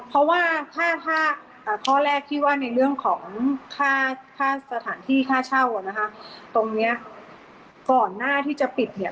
เพราะว่าถ้าถ้าข้อแรกที่ว่าในเรื่องของค่าสถานที่ค่าเช่าอ่ะนะคะตรงเนี้ยก่อนหน้าที่จะปิดเนี่ย